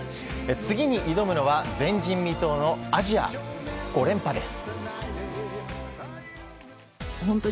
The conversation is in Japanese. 次に挑むのは前人未到のアジア５連覇です。